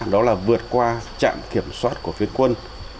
đó là vượt qua trạm kiểm soát của phía quân